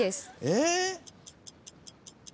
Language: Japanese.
え。